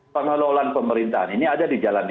pengelolaan pemerintahan ini ada di jalan